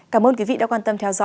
cảm ơn quý vị đã quan tâm theo dõi